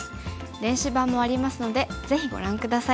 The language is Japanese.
電子版もありますのでぜひご覧下さい。